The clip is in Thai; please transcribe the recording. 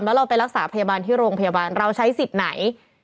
แล้วเราไปรักษาพยาบาลที่โรงพยาบาลเราใช้สิทธิ์ไหน